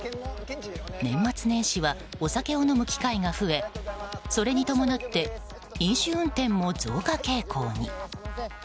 年末年始はお酒を飲む機会が増えそれに伴って飲酒運転も増加傾向に。